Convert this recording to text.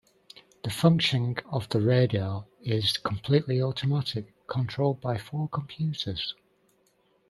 The functioning of the radar is completely automatic, controlled by four computers.